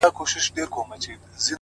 پوهه د ذهن بندې دروازې ماتوي،